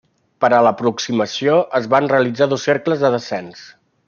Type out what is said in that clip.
Per a l'aproximació, es van realitzar dos cercles de descens.